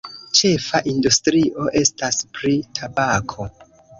Ĉefa industrio estas pri tabako.